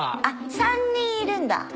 あっ３人いるんだ。